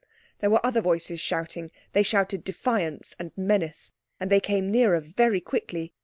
There were other voices shouting; they shouted defiance and menace, and they came nearer very quickly.